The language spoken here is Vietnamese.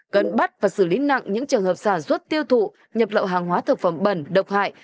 cần bắt và xử lý nặng những trường hợp sản xuất tiêu thụ nhập lậu hàng hóa thực phẩm bẩn độc hại